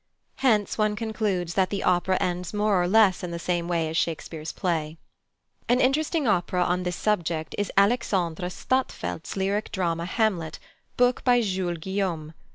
Hence one concludes that the opera ends more or less in the same way as Shakespeare's play. An interesting opera on this subject is +Alexandre Stadtfeldt's+ lyric drama Hamlet, book by Jules Guillaume.